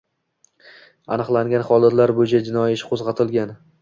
Aniqlangan holatlar bo‘yicha jinoyat ishi qo‘zg‘atilgan